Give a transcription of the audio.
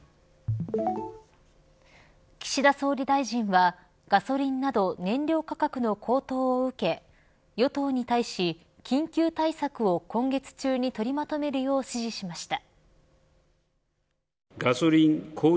岸田総理大臣はガソリンなど燃料価格の高騰を受け与党に対し、緊急対策を今月中に取りまとめるよう指示しました。